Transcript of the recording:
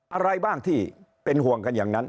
อะไรบ้างที่เป็นห่วงกันอย่างนั้น